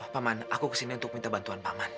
paman aku kesini untuk minta bantuan pangan